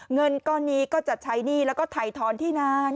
เงินก้อนนี้ก็จะใช้หนี้แล้วก็ถ่ายทอนที่นาน